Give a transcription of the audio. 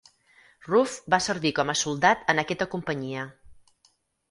Rouf va servir com a soldat en aquesta companyia.